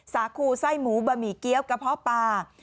สาคูไส้หมูบะหมี่เกี้ยวกระเพาะปลา